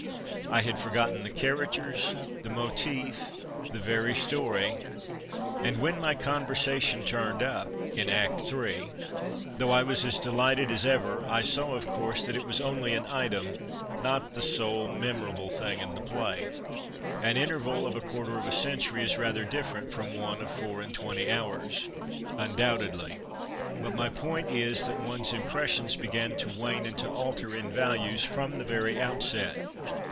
I had forgotten the characters, the motif, the very story. And when my couNcrsation turned up (in .Vet III.), though I was as delighted as ever, I saw, of course, that it was only an item, not the sole memorable thing in the piay. ,\ii int«r\;il of a (jiinrlcr of a etntiiry is rather 115 ,> PASTICHE AND PREJUDICE different from one of four and twenty hours ? Un doubtedly ; but my point is that one's impressions begin to wane and to alter in " values " from the very outset.